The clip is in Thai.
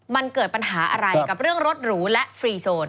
มันเกิดปัญหาอะไรกับเรื่องรถหรูและฟรีโซน